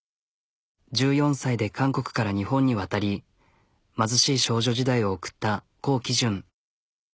１４歳で韓国から日本に渡り貧しい少女時代を送った高姫順。